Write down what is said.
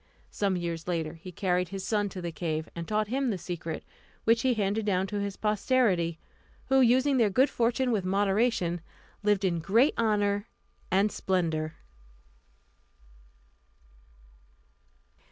Some years later he carried his son to the cave and taught him the secret, which he handed down to his posterity, who, using their good fortune with moderation, lived in great honour and splendour.